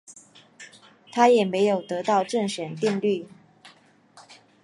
他也没有得到正弦定律。